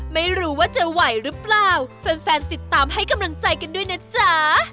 ไม่รู้ว่าจะไหวหรือเปล่าแฟนติดตามให้กำลังใจกันด้วยนะจ๊ะ